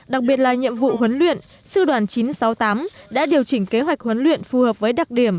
đặc biệt là nhiệm vụ huấn luyện sư đoàn chín trăm sáu mươi tám đã điều chỉnh kế hoạch huấn luyện phù hợp với đặc điểm